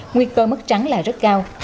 nguy cơ mất trắng là rất cao